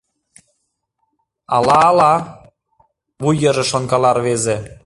«Ала-ала... — вуй йырже шонкала рвезе.